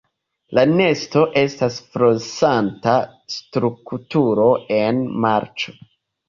La nesto estas flosanta strukturo en marĉo.